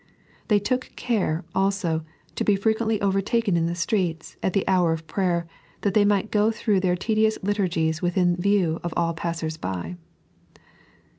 They took care, also, to be frequently overtaken in the streets, at the hour of prayer, that they might go through their tedious liturgies within view of all passers by.